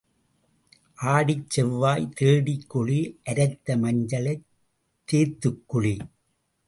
ஆடிச் செவ்வாய் தேடிக் குளி அரைத்த மஞ்சளைத் தேய்த்துக் குளி.